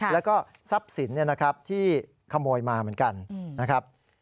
แล้วก็ทรัพย์สินที่ขโมยมาเหมือนกันนะครับ